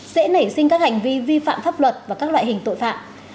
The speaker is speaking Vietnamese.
sẽ nảy sinh các hành vi vi phạm pháp luật và các loại hình tội phạm